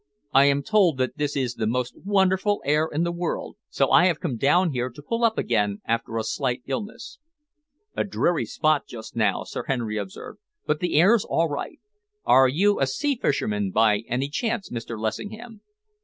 "I am told that this is the most wonderful air in the world, so I have come down here to pull up again after a slight illness." "A dreary spot just now," Sir Henry observed, "but the air's all right. Are you a sea fisherman, by any chance, Mr. Lessingham?"